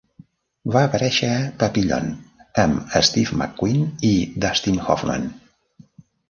Va aparèixer a "Papillon" amb Steve McQueen i Dustin Hoffman.